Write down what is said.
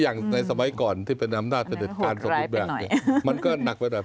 อย่างในสมัยก่อนที่เป็นอำนาจเพด็จการสวทุกอย่างมันก็หนักไปหน่อย